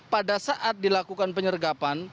pada saat dilakukan penyergapan